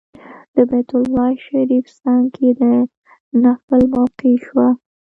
د بیت الله شریف څنګ کې د نفل موقع شوه.